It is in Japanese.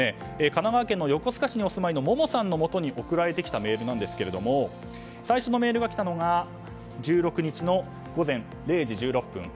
神奈川県の横須賀市にお住いのももさんのもとに送られてきたメールですけども最初のメールが来たのが１６日の午前０時１６分。